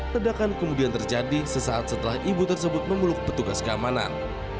ledakan kemudian terjadi sesaat setelah ibu tersebut memeluk petugas keamanan